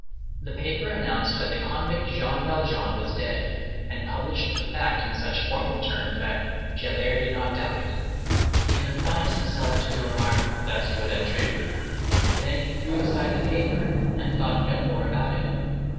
The paper announced that the convict Jean Valjean was dead, and published the fact in such formal terms that Javert did not doubt it. He confined himself to the remark, "That's a good entry." Then he threw aside the paper, and thought no more about it.